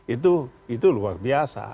itu itu luar biasa